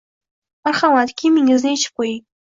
Marhamat, kiyimingizni yechib qo'ying.